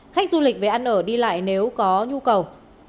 khách du lịch về ăn ở đi lại nếu có nhu cầu